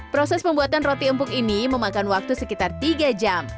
proses pembuatan roti empuk ini memakan waktu sekitar tiga jam